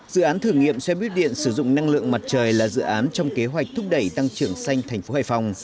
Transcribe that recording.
dự án thử nghiệm xe buýt điện sử dụng năng lượng mặt trời là dự án trong kế hoạch thúc đẩy tăng trưởng xanh thành phố hải phòng